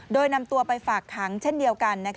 โดยนำตัวไปฝากขังเช่นเดียวกัน